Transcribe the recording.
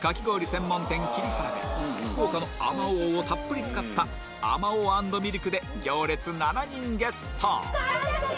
専門店霧原で福岡のあまおうをたっぷり使ったあまおう＆ミルクで行列完食！